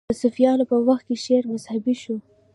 د صفویانو په وخت کې شعر مذهبي شو